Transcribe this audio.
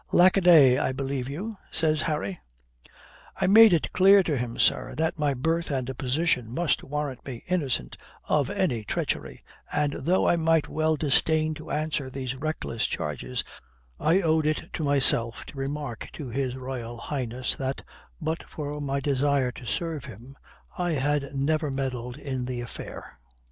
"Lack a day, I believe you," says Harry. "I made it clear to him, sir, that my birth and position must warrant me innocent of any treachery, and though I might well disdain to answer these reckless charges I owed it to myself to remark to His Royal Highness that, but for my desire to serve him, I had never meddled in the affair.